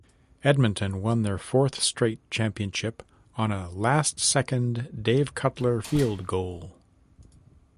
Edmonton won their fourth-straight championship on a last second Dave Cutler field-goal.